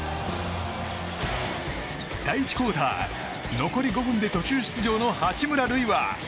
第１クオーター、残り５分で途中出場の八村塁は。